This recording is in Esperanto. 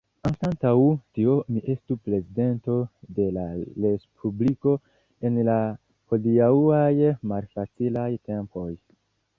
Anstataŭ tio mi estu prezidento de la respubliko en la hodiaŭaj malfacilaj tempoj.